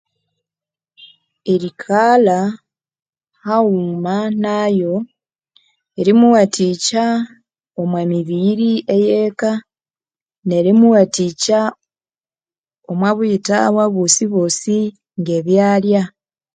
Erikalha haghuma nayo erimuwathikya omwa mibiri eyeka nerimuwathikya omwabuyithawa bwosi bwosi nge byalya